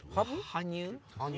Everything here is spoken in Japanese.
羽生？